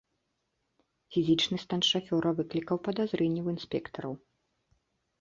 Фізічны стан шафёра выклікаў падазрэнні ў інспектараў.